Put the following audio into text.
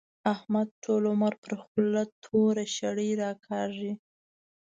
احمد ټول عمر پر خوله توره شړۍ راکاږي.